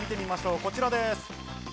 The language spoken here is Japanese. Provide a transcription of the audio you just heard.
こちらです。